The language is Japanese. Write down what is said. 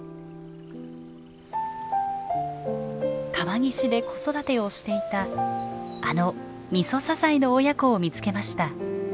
川岸で子育てをしていたあのミソサザイの親子を見つけました。